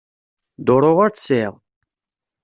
Duṛu ur tt-sεiɣ.